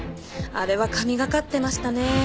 あれは神がかってましたね。